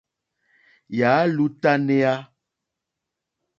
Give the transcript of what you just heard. Yà á !lútánéá.